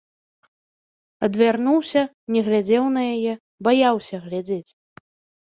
Адвярнуўся, не глядзеў на яе, баяўся глядзець.